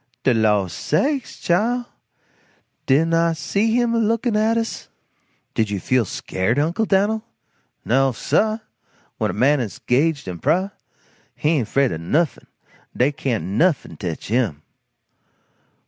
"De law sakes, Chile, didn't I see him a lookin' at us?". "Did you feel scared, Uncle Dan'l?" "No sah! When a man is 'gaged in prah, he ain't fraid o' nuffin dey can't nuffin tetch him."